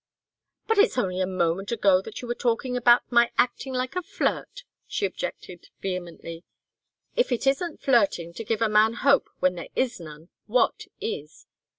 "But it's only a moment ago that you were talking about my acting like a flirt!" she objected, vehemently. "If it isn't flirting to give a man hope when there is none, what is?"